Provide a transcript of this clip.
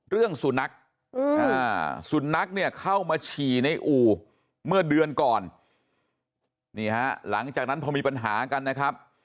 เรื่องสุนัขสุนัขเนี่ยเข้ามาฉี่ในอู่เมื่อเดือนก่อนนี่ฮะหลังจากนั้นพอมีปัญหากันนะครับ